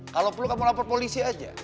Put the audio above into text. kalau perlu kamu lapor polisi aja